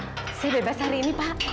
pak saya bebas hari ini pak